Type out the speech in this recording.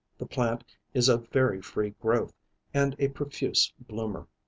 The plant is of very free growth, and a profuse bloomer."